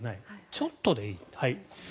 ちょっとでいい。